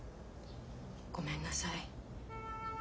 ごめんなさい。